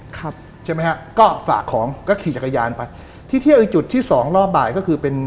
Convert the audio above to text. ครับใช่ไหมฮะก็ฝากของก็ขี่จักรยานไปที่เที่ยวอีกจุดที่สองรอบบ่ายก็คือเป็น